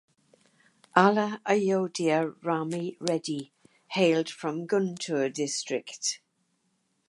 Alla Ayodhya Rami Reddy hailed from Guntur district.